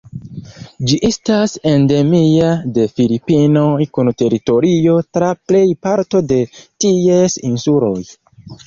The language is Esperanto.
Ĝi estas endemia de Filipinoj, kun teritorio tra plej parto de ties insuloj.